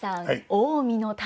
近江の旅。